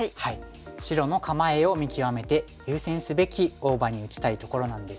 白の構えを見極めて優先すべき大場に打ちたいところなんですが。